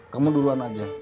kamu duluan aja